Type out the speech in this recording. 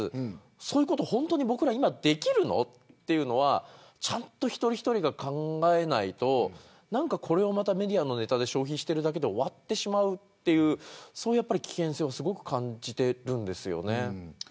そういうことを本当に今、僕らができるのということは一人一人が考えないとこれはまたメディアのネタで消費してるだけで終わってしまうという危険性をすごく感じてるんですよね。